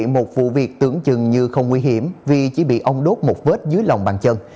một vụ việc tưởng chừng như không nguy hiểm vì chỉ bị ông đốt một vết dưới lòng bàn chân